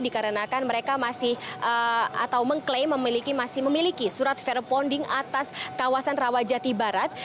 dikarenakan mereka masih atau mengklaim memiliki surat fair bonding atas kawasan rawajati barat